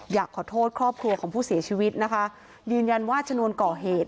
อยากขอโทษครอบครัวของผู้เสียชีวิตนะคะยืนยันว่าชนวนก่อเหตุ